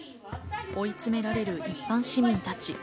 追い詰められる一般市民たち。